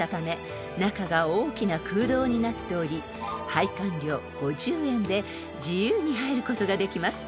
［拝観料５０円で自由に入ることができます］